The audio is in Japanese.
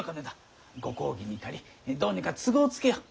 ご公儀に借りどうにか都合をつけよう。